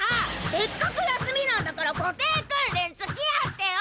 せっかく休みなんだから個性訓練付き合ってよ！